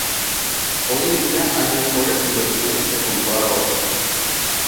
Hoy en día hay mejores inversiones que comprar oro